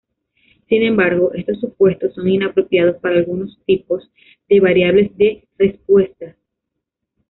Sin embargo, estos supuestos son inapropiados para algunos tipos de variables de respuesta.